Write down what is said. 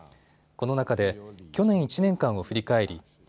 この中で去年１年間を振り返り